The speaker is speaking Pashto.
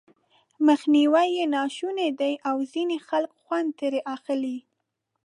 مخنيوی یې ناشونی دی او ځينې خلک خوند ترې اخلي.